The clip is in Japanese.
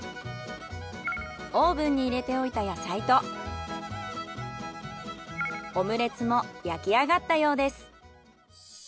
オーブンに入れておいた野菜とオムレツも焼き上がったようです。